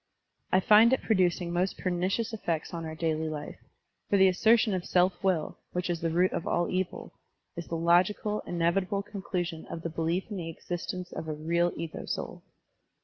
I find it producing most pernicious effects on our daily life, for the assertion of self will, which is the root of all evil, is the logical, inevitable conclusion of the belief in the existence of a real ego soul.